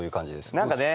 何かね